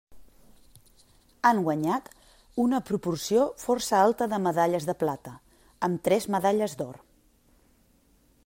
Han guanyat una proporció força alta de medalles de plata, amb tres medalles d'or.